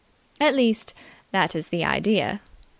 At least, that is the idea.